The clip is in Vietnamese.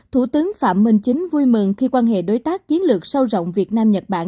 thủ tướng phạm minh chính vui mừng khi quan hệ đối tác chiến lược sâu rộng việt nam nhật bản